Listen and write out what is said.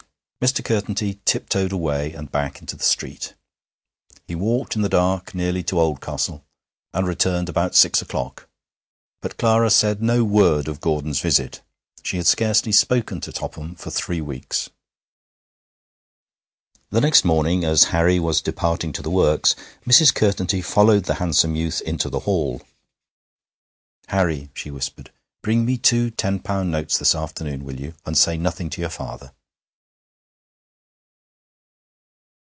Mr. Curtenty tiptoed away and back into the street. He walked in the dark nearly to Oldcastle, and returned about six o'clock. But Clara said no word of Gordon's visit. She had scarcely spoken to Topham for three weeks. The next morning, as Harry was departing to the works, Mrs. Curtenty followed the handsome youth into the hall. 'Harry,' she whispered, 'bring me two ten pound notes this afternoon, will you, and say nothing to your father.'